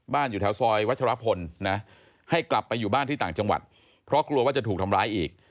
อยู่แถวซอยวัชรพลนะให้กลับไปอยู่บ้านที่ต่างจังหวัดเพราะกลัวว่าจะถูกทำร้ายอีก